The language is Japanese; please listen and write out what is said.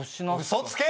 嘘つけ！